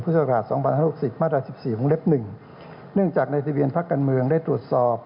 ศักราช๒๐๖๐มาตรา๑๔วงเล็บ๑เนื่องจากในทะเบียนพักการเมืองได้ตรวจสอบ